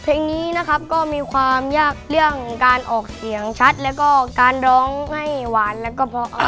เพลงนี้นะครับก็มีความยากเรื่องการออกเสียงชัดแล้วก็การร้องให้หวานแล้วก็พอ